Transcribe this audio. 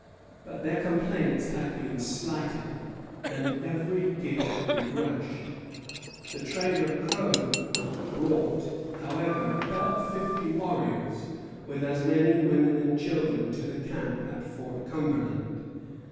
But their complaints had been slighted, and every gift begrudged. The trader Croghan brought, however, about fifty warriors, with as many women and children, to the camp at Fort Cumberland.